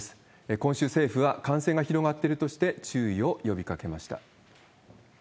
今週、政府は、感染が広がっているとして注意を呼びかけました。